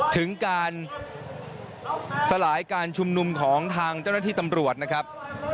ถึงการสลายการชุมนุมของทางเจ้าหน้าที่ตำรวจนะครับ